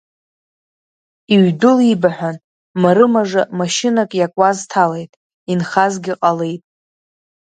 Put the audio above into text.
Иҩдәылибаҳәан, марымажа машьынак иакуаз ҭалеит, инхазгьы ҟалеит.